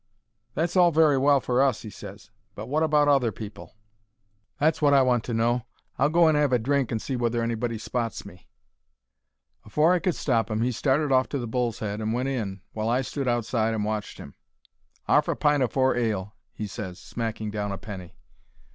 "That's all very well for us," he ses; "but wot about other people? That's wot I want to know. I'll go and 'ave a drink, and see whether anybody spots me." Afore I could stop 'im he started off to the Bull's Head and went in, while I stood outside and watched 'im. "'Arf a pint o' four ale," he ses, smacking down a penny.